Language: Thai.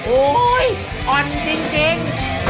โอ้โหยอ่อนจริง